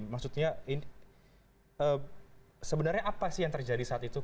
maksudnya sebenarnya apa sih yang terjadi saat itu